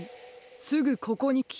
すぐここにきて！」。